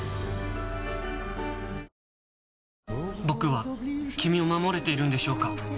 僕は君を守れているんでしょうか？